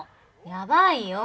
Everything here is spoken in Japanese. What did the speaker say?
やばいよ。